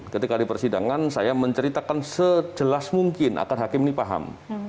ketika di persidangan saya menceritakan sejelas mungkin akan hakim ini paham